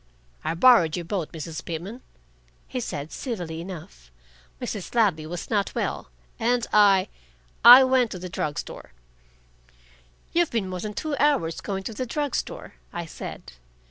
"I borrowed your boat, Mrs. Pitman," he said, civilly enough. "Mrs. Ladley was not well, and I I went to the drug store." "You've been more than two hours going to the drug store," I said.